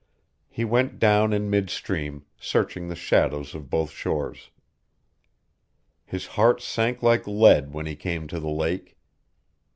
He went down in mid stream, searching the shadows of both shores. His heart sank like lead when he came to the lake.